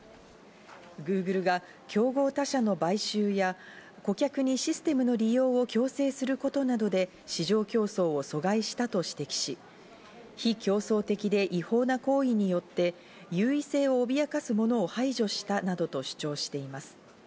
グーグルが競合他社の買収や顧客にシステムの利用を強制することなどで市場競争を阻害したと指摘し、非競争的で違法な行為によって優位性を脅かすものを排除したなどと主張しています。